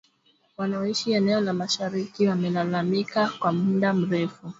Wanaoishi eneo la mashariki wamelalamika kwa muda mrefu